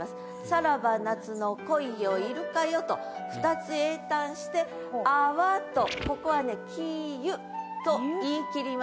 「さらば夏の恋よイルカよ」と２つ詠嘆して「泡と」ここはね「消ゆ」と言い切ります。